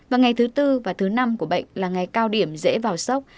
và ngày thứ tư và thứ năm của bệnh là ngày cao điểm dễ vào sốc